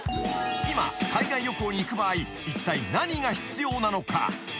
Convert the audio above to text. ［今海外旅行に行く場合いったい何が必要なのか？］